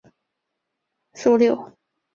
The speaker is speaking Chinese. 明宣宗宣德年间攻打击兀良哈。